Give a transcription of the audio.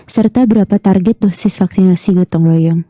serta berapa target dosis vaksinasi gotong royong